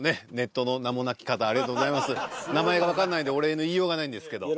いやほんとね名前がわかんないんでお礼の言いようがないんですけど。